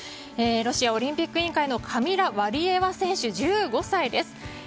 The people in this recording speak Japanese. ロシアオリンピック委員会のカミラ・ワリエワ選手１５歳です。